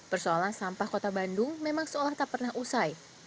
persoalan sampah kota bandung memang seolah tak pernah usai